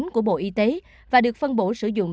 của bộ y tế và được phân bổ sử dụng